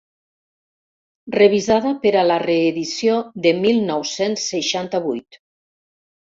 Revisada per a la reedició de mil nou-cents seixanta-vuit.